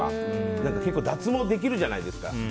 だって、結構脱毛できるじゃないですか。